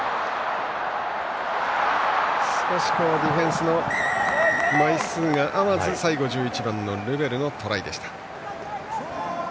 少しディフェンスの枚数が合わず最後は１１番のルベルのトライでした。